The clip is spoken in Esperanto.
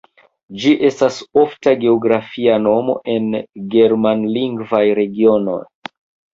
Ĝi estas ofta geografia nomo en germanlingvaj regionoj.